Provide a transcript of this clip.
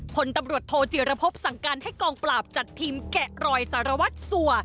ผลตำรวจโทจิรพบสั่งการให้กองปราบจัดทีมแกะรอยสารวัตรสัว